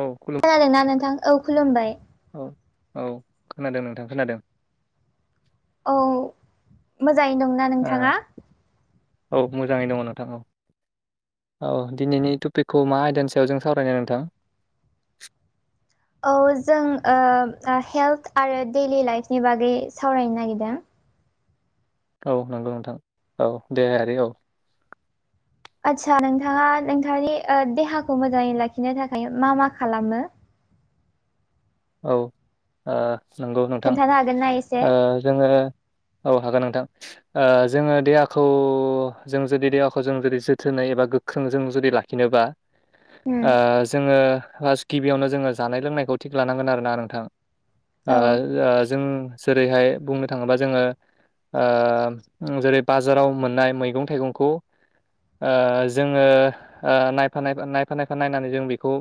औ खुलुम खादोंना नोंथां औ खुलुमबाय औ औ खोनादों नोंथां खोनादों औ मोजाङै दंना ओ नोंथाङा औ मोजाङै दङ नोंथां‌ औ औ दिनैनि टपिकखौ मा आयदानि सायाव जों सावरायनो नोंथां औ जों हेल्थ आरो दैलि लाइफनि बागै सावरायनो नागिरदों औ नंगौ नोंथां औ देहायारि औ आदसा नोंथाङा नोंथांनि देहाखौ मोजाङै लाखिनो थाखाय मा मा खालामो औ नंगौ नोंथां खोन्थानो हागोन ना एसे जोङो औ हागोन नोंथां जोङो देहाखौ जों जुदि देहाखौ जों जुदि जोथोनै एबा गो्रोंजों जुदि लाखिनोबा उम ओ जोङो फार्स्ट गिबियावनो जोङो जानाय लोंनायखौ थिग लानांगोन आरोोना नोंथां औ जों जेरैहाय बुंनो थाङोबा जोङो ओजेरै बाजाराव मोननाय मैगं थाइगंखौ ओ जोङो नायफा नायफा नायफा नायनानै जों बेखौ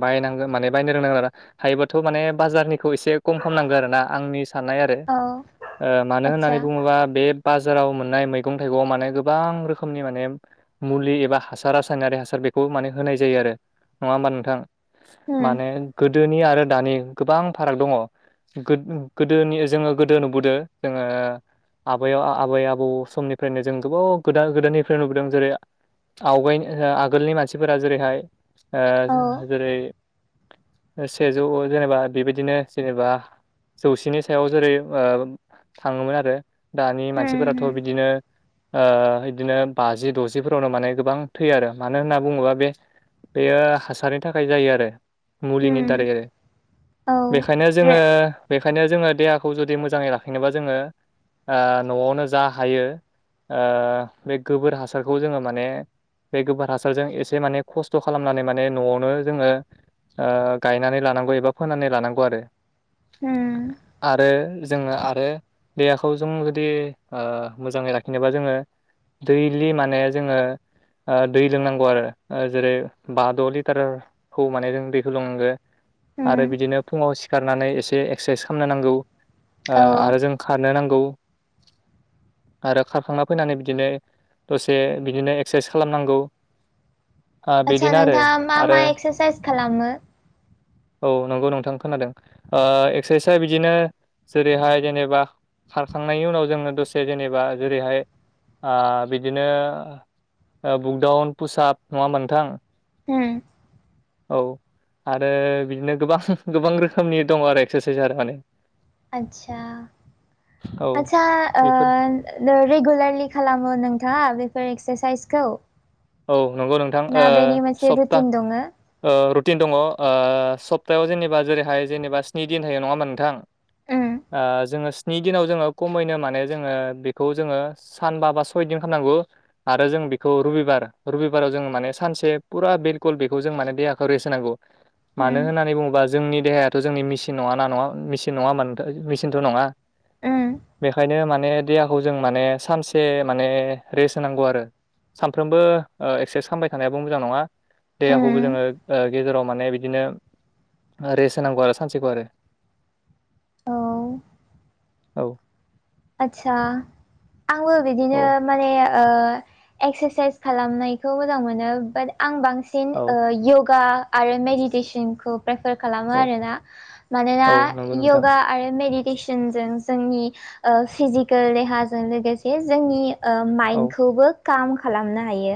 बायनांगोन माने बायनो रोंनांगौ आरा हायोबथ' माने बाजारनिखौ एसे खम ख खालामनांगौ आरोना आंनि साननाय आरो औ मानो आतसा होननानै बुङोबा बे बाजाराव मोननाय मैगं थाइगं माने गोबां रोखोमनि माने मुलि एबा हासार रासायनारि हासार बेखौ माने होनाय जायो आरो नङा होमबा नोंथां उम माने गोदोनि आरो दानि गोबां फाराग दङ गोदोनि जोङो गोदो नुबोदों जोङो आबायाव आबै आबौ समनिफ्रायनो जों गोबाव गोदान गोदाननिफ्रायनो नुबोदों जेरै आवगाय आगोलनि मानसिफोरा जेरैहाय औ जेरै सेजौ जेनेबा बेबायदिनो जेनेबा जौसेनि सायाव जेरै थाङोमोन आरो दानि उम मानसिफोराथ' उम बिदिनो बिदिनो बाजि द'जिफोरावनो माने गोबां थैयो आरो मानो होन्ना बुङोबा बे बेयो हासारनि थाखाय जायो आरो मुलिनि उम दारै आरो औ बेखायनो रे जोङो बेखायनो जोङो देहाखौ जुदि मोजाङै लाखिनोबा जोङो न'आवनो जा हायो ओ बे गोबोर हासारखौ जोङो माने बे गोबोर हासारजों एसे माने खस्थ' खालामनानै माने न'आवनो जोङो गायनानै लानांगौ एबा फोनानै लानांगौ आरो हम आरो जोङो आरो देहाखौ जों जुदि ओ मोजाङै राखिनोबा जोङो दैलि माने जोङो ओ दै लोंनांगौ आरो जेरै बा द' लिटार खौ माने जों दैखौ लोंनांगो आरो उम बिदिनो फुङाव सि खारनानै एसे एक्सारसाइस खालामनो नांगौ औ आरो जों खारनो नांगौ आरो खारखांना फैनानै बिदिनो दसे बिदिनो एक्सारसाइस खालामनांगौ ओ आदसा बिदिनो आरो नोंथाङा मा मा आरो एक्सारसाइस खालामो औ नंगौ नोंथां खोनादों ओ एक्सारसाइआ बिदिनो जेरैहाय जेनेबा खारखांनायनि उनाव जोंङो दसे जेनेबा जेरैहाय ओ बिदिनो ओ बुकदाउन पुसाब नङा होमबा नोंथां अम औ आरो बिदिनो गोबां गोबां रोखोमनि दङ आरो एक्सारसाइस आरो माने आतसा औ आतसा ओ बेफोर नो रेगुलारलि खालामो नोंथाङा बेफोर एक्सारसाइसखौ औ नंगौ नोंथां ना ओ बेनि मोनसे सप्ता रुटिन दङो? ओ रुटिन दङ ओ सप्तायाव जेनेबा जेरैहाय जेनेबा स्नि दिन थायो नङा होनबा नोंथां उम ओ जोंङो स्नि दिनाव जोंङो खमैनो माने जोंङो बेखौ जोंङो सानबा बा सय दिन खामनांगौ आरो जों बेखौ रबिबार रबिबाराव जों माने सानसे फुरा बिलकुल बेखौ जों माने देहाखौ रेस्ट होनांगौ। उम मानो होननानै बुङोबा जोंनि देहायाथ' जोंनि मेसिन नङा ना नङा मेसिन नङा होनबा नोंथां मिसिन थ नङा उम बेखायनो माने देहाखौ जों माने सानसे माने रेस्ट होनांगौ आरो। सानफ्रोमबो ओ एक्सासाइस खालामबाय थानायाबो मोजां नङा देहाखौबो उम जोंङो ओ गेजेराव माने बिदिनो रेस होनांगौ आरो सानसेखौ आरो। औ औ आदसा आंबो औ बिदिनो माने ओ एक्सारसाइस खालामनायखौ मोजां मोनो बट आं बां सिन ओ औ य'गा आरो मेडिटेसनखौ प्रेफार खालामो औ आरोना मानोना औ नंगौ नोंथां य'गा आरो मेडि तेसनजों जोंनि ओ फिजिकेल देहाजों लोगोसे जोंनि ओ औ माइन्डखौबो काम खालामनो हायो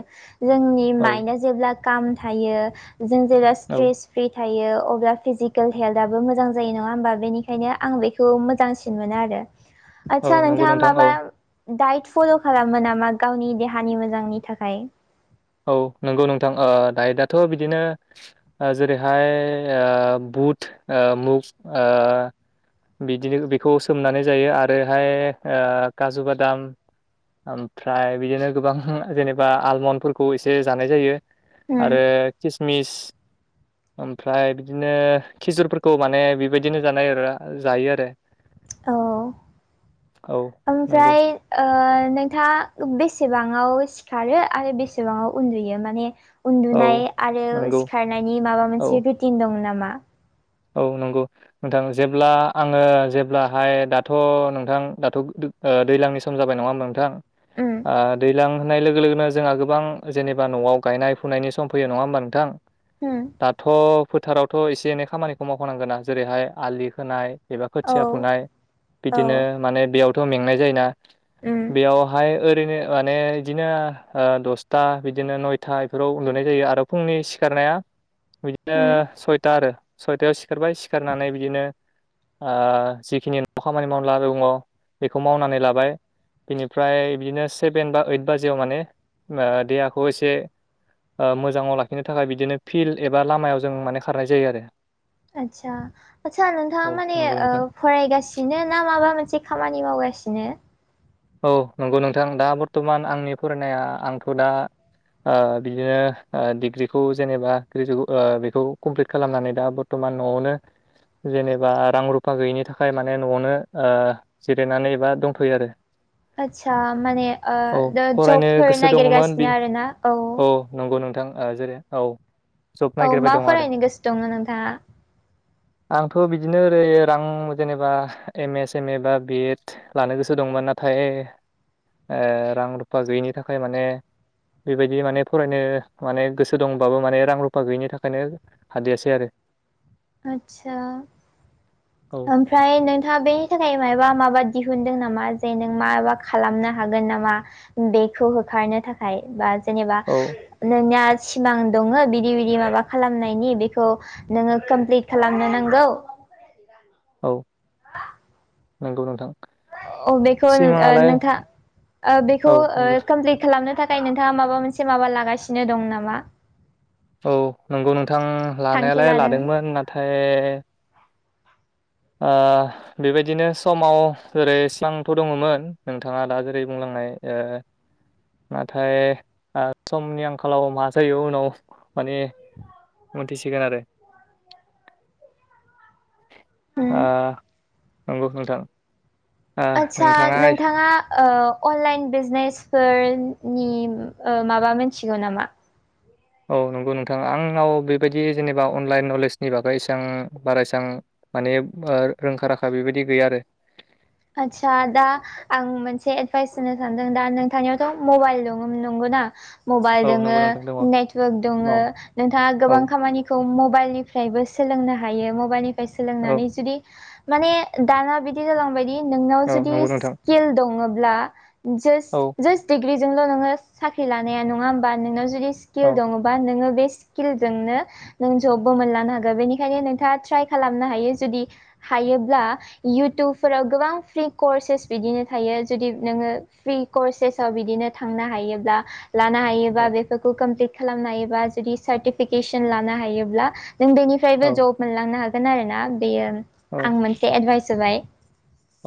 जोंनि औ माइन्डआ जेब्ला खाम थायो जों जेब्ला औ स्ट्रेस फ्रि थायो अब्ला फिजिकेल हेल्थआबो मोजां जायो नङा होमबा बेनिखायनो आं बेखौ मोजांसिन मोनो आरो। औ आदसा नंगौ नोंथाङा नोंथां औ माबा दाइट फ'ल' खालामो नामा गावनि देहानि मोजांनि थाखाय औ नंगौ नोंथां ओ दाइट आथ' बिदिनो ओ जेरैहाय ओ बुट ओ मुग ओ बिदिनो बेखौ सोमनानै जायो आरोहाय ओ काजु बादाम ओमफ्राय बिदिनो गोबां जेनेबा आलमनफोर खौ एसे जानाय जायो उम आरो किसमिस ओमफ्राय बिदिनो खिजुरफोरखौ माने बेबायदिनो जानाय आरोना जायो आरो। औ औ नंगौ ओमफ्राय ओ नोंथाङा बेसेबाङाव सिखारो आरो बेसेबाङाव उन्दुयो माने औ उन्दुनाय आरो नंगौ सिखारनायनि माबा औ मोनसे रुटिन दं नामा। औ नंगौ नोंथां जेब्ला आङो जेब्लाहाय दाथ' नोंथां दाथ' ओ दैलांनि सम जाबाय नङा होनबा नोंथां उम ओ दैलां होननाय लोगो लोगोनो जोंहा गोबां जेनेबा न'आव गायनाय फुनायनि सम फैयो नङा होमबा नोंथां उम दाथ' फोथारावथ' एसे एनै खामानिखौ मावफानांगोना आं जेरैहाय आलि खोनाय एबा औ खोथिया फुनाय औ बिदिनो माने बेयावथ' मेंनाय जायोना। उम बेयावहाय ओरैनो माने बिदिनो दसथा बिदिनो नयथा बेफोराव उन्दुनाय जायो आरो फुंनि सिखारनाया बिदिनो उम सयथा आरो सयथायाव सिखारबाय सिखारनानै बिदिनो ओ जिखिनि न' खामानि मावना दङ बेखौ मावनानै लाबाय बिनिफ्राय बिदिनो सेभेन बा ओइद बाजियाव माने देहाखौ एसे ओ मोजाङाव लाखिनो थाखाय बिदिनो फिल्ड एबा लामायाव जों माने खारनाय जायो आरो। आतसा आतसा नोंथाङा औ माने नंगौ ओ नोंथां फरायगासिनो ना माबा मोनसे खामानि मावगासिनो औ नंगौ नोंथां दा बर्थमान आंनि फरायनाया आंथ' दा बिदिनो डिग्रिखौ जेनेबा ग्रेजुवे बेखौ कमप्लिट खालामनानै दा बरथ'मान न'आवनो जेनेबा रां रुफा गैयिनि थाखाय माने न'आवनो जिरायनानै एबा दंथ'यो आरो आदसा माने औ फरायनो जबफोर गोसो दङमोन बि नागिरगासिनो आरो ना औ नंगौ नोंथां जेरै औ जब औ नागिरबाय मा दं आरो फरायनो गोसो दंमोन नोंथाङा आंथ' बिदिनो ओरै रां जेनेबा एम एसम ए, बा बिएड लानो गोसो दंमोन नाथाय रां रुफा गैयिनि थाखाय माने बेबायदि माने फरायनो माने गोसो दंबाबो माने रां रुफा गैयिनि थाखायनो हादियासै आरो आतसा औ ओमफ्राय नोंथाङा बेनि थाखाय माबा माबा दिहुनदों नामा जे नों माबा खालामनो हागोन नामा बेखौ होखारनो थाखाय बा जेनेबा औ नोंना सिमां दङ बिदि बिदि माबा खालामनायनि बेखौ नोङो कमप्लिट खालामनो नांगौ औ नंगौ नोंथां अ बेखौ सिमाङालाय नोंथाङ बेखौ औ नंगौ कमप्लिट खालामनो थाखाय नोंथाङा माबा मोनसे माबा लागासिनो दं नामा औ नंगौ नोंथां थांखि लानायालाय लादों लादोंमोन नाथाय ओ बेबायदिनो समाव जेरै सिबांथ' दङमोन नोंथाङा दा जेरै बुंलांनाय नाथाय समनि आंखालाव मा जायो उनाव माने मोनथिसिगोन आरो उम नंगौ नोंथां आदसा नोंथाङा अनलाइन बिजनेसफोरनि माबा मोनथिगौ नामा? औ नंगौ नोंथाङा आंनाव बेबायदि जेनेबा अनलाइन नलेजनि बागै एसेबां बारा एसेबां माने रोंखा राखा बेबायदि गैया आरो आदसा आदा आं मोनसे एदभाइस होनो सानदों दा नोंथांनियावथ' मबाइल दं नंगौना मबाइल औ दङ नंगौ नोंथां दङ औ नेटवर्क दङ नोंथाङा गोबां औ खामानि मबाइलनिफ्रायबो सोलोंनो हायो मबाइलनिफ्राय औ सोलोंनानै जुदि माने दाना बिदि जालांबायदि नोंनाव औ जुदि नंगौ नोंथां स्किल दङब्ला ज औ जासट डिग्रि जोंल' नोङो साख्रि लानाया नङा होमबा नोङो जुदि स्किल औ दङबा नोङो बे स्किलजोंनो नों जबबो मोनलांनो हागोन बेनिखायनो नोंथाङा ट्राइ खालामनो हायो जुदि हायोब्ला इउटुबफोराव गोबां फ्रि कर्सेस बिदिनो थायो जुदि नोङो फ्रि कर्सेसआव बिदिनो थांनो हायोब्ला लानो हायोबा औ बेफोरखौ कमप्लिट खालामनो हायोबा जुदि सार्टिफिकेसन लानो हायोब्ला जों बेनिफ्रायबो औ जब मोनलांनो हागोन आरोना बेयो औ आं मोनसे एडभाइस होबाय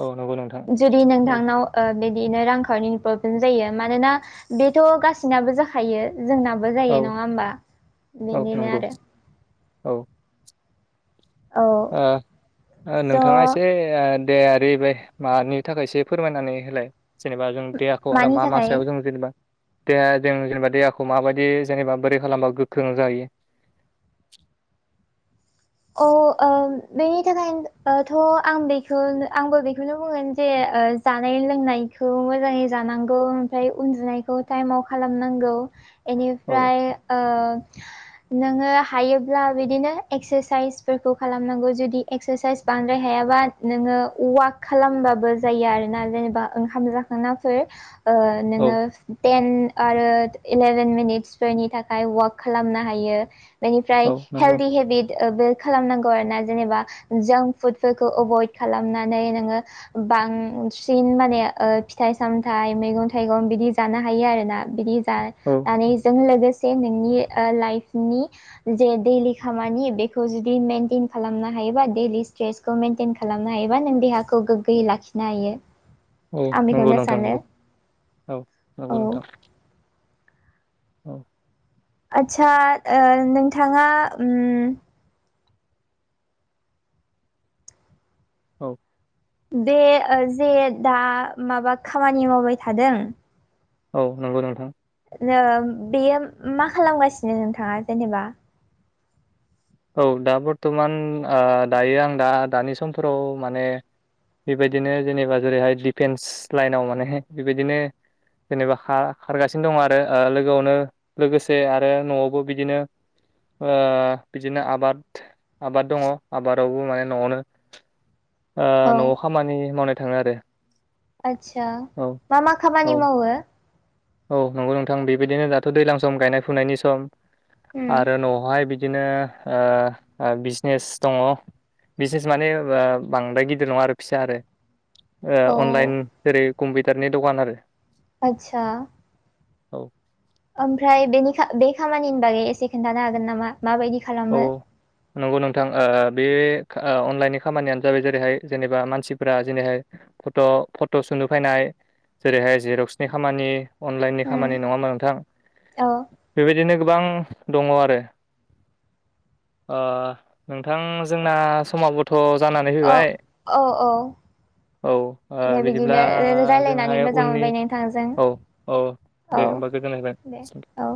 औ नंगौ नगौ जुदि नोंथांनाव बिदिनो रां खावनि प्रब्लेम जायो मानोना बेथ' गासिनाबो जाखो थायो जोंनाबो जायो औ नङा होमबा औ बेनिनो नंगौ आरो औ औ नोंथाङा स' एसे दे ओै बे मानि थाखायसो फोरमायनानै होलाय जेनेबा जों देहाखौ आरो मानि मा थाखाय माासआव जों जेनेबा देहा जों जेनेबा देहाखौ माबायदि जेनेबा बोरै खालामबा गोख्रों जाहयो। अ ओम बेनि थाखायनोथ' आं बेखौ आंबो बेखौनो बुंगोन जे ओ जानाय लोंनायखौ मोजाङै जानांगौ ओमफ्राय उन्दुनायखौ टाइमाव खालामनांगौ। औ बेनिफ्राय ओ नोङो हायोब्ला बिदिनो एक्सारसस एक्सारसाइसफोरखौ खालामनांगौ जुदि एक्सारसाइस बांद्राय हायाबा नोङो ववाक खालामबाबो जायो आरोना जेनेबा ओंखाम जाखांनाफोर ओ नोङो औ टेन आरो इलेभेन मिनिट्सफोरनि थाखाय वाक खालामनो हायो। बेनिफ्राय औ नंगौ हेलड हेबिट बे खालामनांगौ आरो ना जेनेबा जांक फुडफोरखौ एभयड खालामनानै नोङो बांसिन माने ओ फिथाइ सामथाय मैगं थाइगं बिदि जानो हायो आरो ना। बिनि जाय औ जों लोगोसे नोंनि ओ लाइफनि जे दैलि खामानि बे ज खालामनो हायोबा दैेलि स्ट्रेसखौ मटेन खालामनो हायोबा नों देहाखौ गोग्गोयै लाखिनो नायो। औ नंगौ नोंथां नंगौ औ नंगौ औ नोंथां। औ आदसा ओ नोंथाङा ओम औ बे जे दा माबा खामानि मावबाय थादों? औ नंगौ नोंथां। ओ बेयो मा खालामगासिनो नोंथाङा जेनेबा? औ दा बर्थ'मान ओ दायो आं दा दानि समफोराव माने बेबायदिनो जेनेबा जेरैहाय दिडिफेन्स लाइनाव माने बेबायदिनो जेनेबा खा-खारगासिनो दं आरो लोगोआवनो लोगोसे आरो न'आवबो बिदिनो आ बिदिनो आबाद आबाद दङ आबादावबो माने न'आवनो आ औ न'आव खामानि मावनाय थाङो आरो। आदसा औ मा मा औ खामानि मावो? औ नंगौ नोंथां बेबायदिनो दाथ' दैलां सम गायनाय फुनायनि सम उम आरो न'आवहाय बिदि बिदिनो ओ-ओ बिजनेस दङ। बिसेस माने आ बांद्राय गिदिर नङा आरो फिसा आरो। आ औ अनलाइन जेरै कम्पिउटारनि दखान आरो। आतसा। औ ओमफ्राय बेनि बे खामानिनि बागै एसे खोनन्थानो हागोन नामा माबायदि औ खालामो? नंगौ नोंथां आ बे आ अनलाइननि खामानियानो जाबाय जेरैहाय जेनेबा मानसिफ्रा जेनैहाय फट' फट' सुनो फैनाय जेरैहाय जिरक्सनि खामानि अनलाइननि उम खामानि नङामोन नोंथां? औ बेबायदिनो गोबां दङ आरो। ओ नोंथां जोंना समाबोथ' जानानै औ फैबाय। औ औ औ ओ दे बिदिब्ला बिदिनो रायलायनानै जोंहाय मोजां उननि मोनबाय नोंथांजों औ औ। औ दे होमबा गोजोन दे [unintelligible] औ